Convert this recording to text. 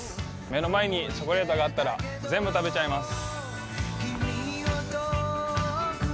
目の前にチョコレートがあったら全部食べちゃいます。